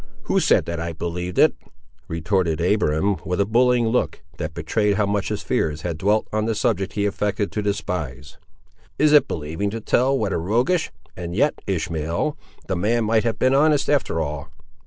"Who said that I believed it?" retorted Abiram with a bullying look, that betrayed how much his fears had dwelt on the subject he affected to despise. "Is it believing to tell what a roguish—And yet, Ishmael, the man might have been honest after all!